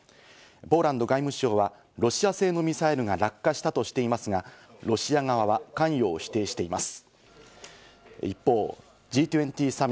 ポーランド外務省はロシア製のミサイルが落下したとしていますが、ロシア側は関与を否定しています。